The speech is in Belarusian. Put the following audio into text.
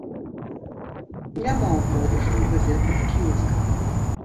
Няма ў продажы ў газетных кіёсках.